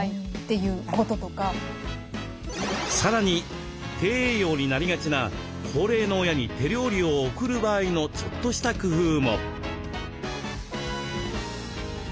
さらに低栄養になりがちな高齢の親に手料理を送る場合のちょっとした工夫も。